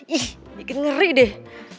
ih bikin ngeri deh